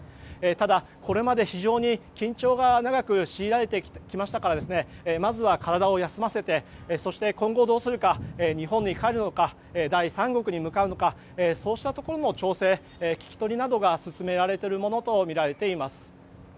ただ、これまで非常に緊張が長く強いられてきましたからまずは体を休ませてそして、今後どうするか日本に帰るのか第三国に向かうのかそうしたところの調整、聞き取りなどが進められているものとみられています。